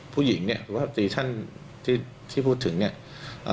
ผู้หญิงเนี่ยหรือว่าซีชั่นที่ที่พูดถึงเนี้ยอ่า